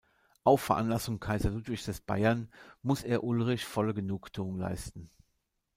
Auf Veranlassung Kaiser Ludwig des Baiern muss er Ulrich volle Genugtuung leisten.